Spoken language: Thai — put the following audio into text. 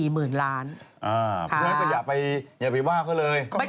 เพราะฉะนั้นก็อย่าไปว่าเขาเลย